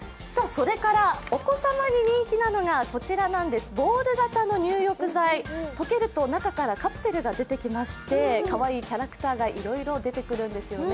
お子さまに人気なのがボール形の入浴剤、溶けると中からカプセルが出てきまして、かわいいキャラクターがいろいろ出てくるんですよね。